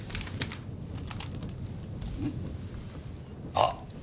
あっ！